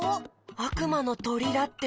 「あくまのとり」だって。